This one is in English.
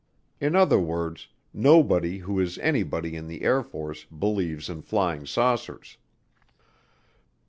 In other words, nobody who is anybody in the Air Force believes in flying saucers.